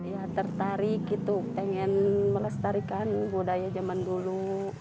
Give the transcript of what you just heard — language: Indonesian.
ya tertarik gitu pengen melestarikan budaya zaman dulu